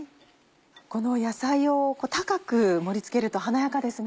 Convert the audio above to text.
この野菜を高く盛り付けると華やかですね。